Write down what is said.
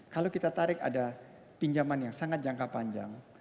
kalau kita tarik ada pinjaman yang sangat jangka panjang